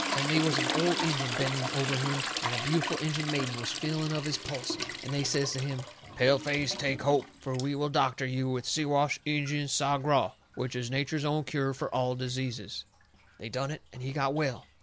And they was an old Injun bending over him and a beautiful Injun maiden was feeling of his pulse, and they says to him: "Pale face, take hope, fur we will doctor you with Siwash Injun Sagraw, which is nature's own cure fur all diseases." They done it. And he got well.